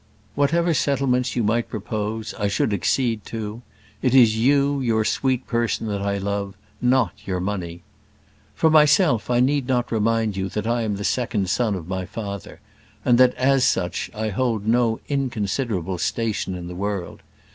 Whatever settlements you might propose, I should accede to. It is you, your sweet person, that I love, not your money. For myself, I need not remind you that I am the second son of my father; and that, as such, I hold no inconsiderable station in the world.